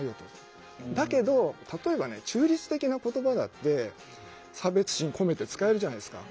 だけど例えばね中立的な言葉だって差別心込めて使えるじゃないですか。